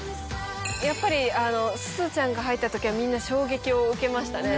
やっぱりあのすずちゃんが入ったときはみんな衝撃を受けましたね。